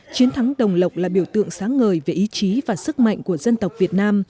chiến thắng đồng lộc là biểu tượng sáng ngời về ý chí và sức mạnh của dân tộc việt nam